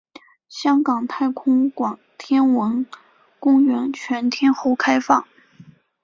香港太空馆天文公园全天候开放。